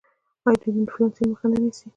آیا دوی د انفلاسیون مخه نه نیسي؟